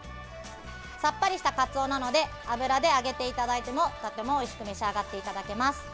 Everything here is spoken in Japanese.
さっぱりしたカツオなので油で揚げていただいてもとてもおいしく召し上がっていただけます。